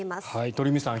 鳥海さん